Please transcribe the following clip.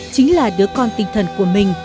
chính là đứa con tinh thần của mình